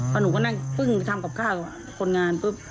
พอหนูก็นั่งปึ้งทำกับข้าวคนงานปุ๊บ